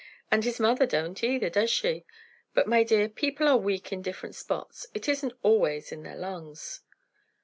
And his mother don't either, does she? But, my dear, people are weak in different spots; it isn't always in their lungs."